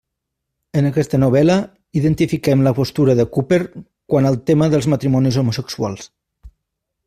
En aquesta novel·la identifiquem la postura de Cooper quant al tema dels matrimonis homosexuals.